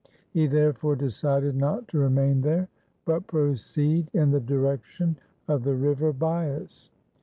He therefore decided not to re main there, but proceed in the direction of the river Bias.